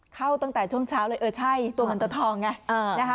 เข้าตั้งแต่ช่วงเช้าเลยเออใช่ตัวเงินตัวทองไงนะคะ